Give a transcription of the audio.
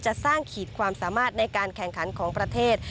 จะสร้างขีดความสามารถในการแข่งขันของประเทศ